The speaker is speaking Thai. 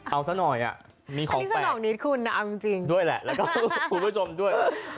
เอาสักหน่อยมีของแปลกด้วยแหละแล้วก็คุณผู้ชมด้วย